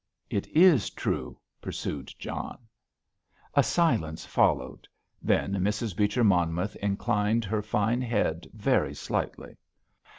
"It is true," pursued John. A silence followed; then Mrs. Beecher Monmouth inclined her fine head very slightly.